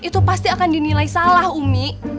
itu pasti akan dinilai salah umi